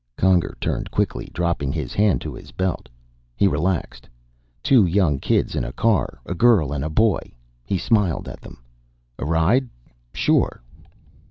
Conger turned quickly, dropping his hand to his belt. He relaxed. Two young kids in a car, a girl and a boy. He smiled at them. "A ride? Sure."